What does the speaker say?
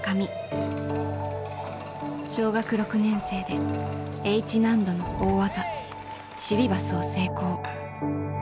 小学６年生でＨ難度の大技シリバスを成功。